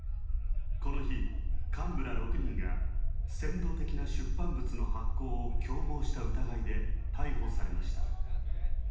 この日、幹部ら６人が、扇動的な出版物の発行を共謀した疑いで逮捕されました。